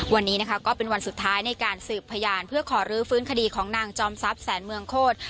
วันนี้นะคะก็เป็นวันสุดท้ายในการสืบพยานเพื่อขอรื้อฟื้นคดีของนางจอมทรัพย์แสนเมืองโคตร